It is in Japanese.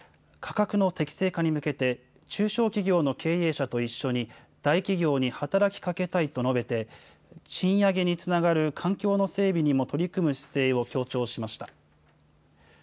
価格の適正化に向けて、中小企業の経営者と一緒に大企業に働きかけたいと述べて、賃上げにつながる環境の整備にも取り組む姿勢を強調しました。